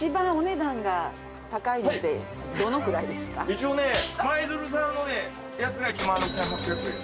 一応ね舞鶴産のやつが１万６，８００円。